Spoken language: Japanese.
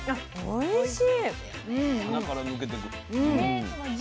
おいしい。